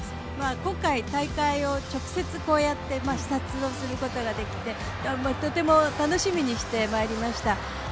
今回大会を直接こうやって視察をすることができて、とても楽しみにしてまいりました。